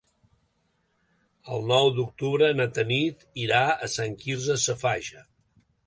El nou d'octubre na Tanit irà a Sant Quirze Safaja.